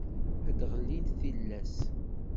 Ad d-ɣellint tillas.